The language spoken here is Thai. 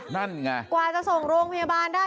นั่นไงกว่าจะส่งโรงพยาบาลได้